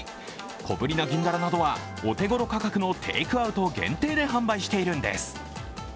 小ぶりな銀だらなどはお手頃価格のテイクアウト限定で販売しているんです。